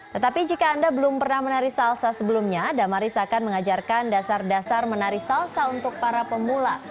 tetapi jika anda belum pernah menari salsa sebelumnya damaris akan mengajarkan dasar dasar menari salsa untuk para pemula